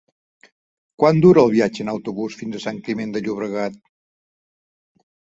Quant dura el viatge en autobús fins a Sant Climent de Llobregat?